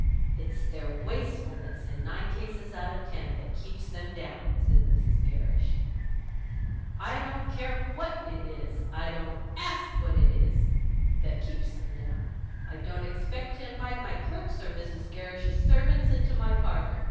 "It's their wastefulness, in nine cases out of ten, that keeps them down," said Mrs. Gerrish. "I don't care what it is, I don't ask what it is, that keeps them down. I don't expect to invite my clerks or Mrs. Gerrish's servants into my parlour.